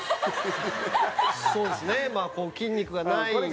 そうですねまあ筋肉がないんで。